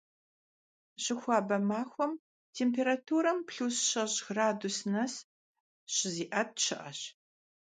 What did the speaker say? Щыхуабэ махуэм температурам плюс щэщӏ градус нэс щызиӀэт щыӀэщ.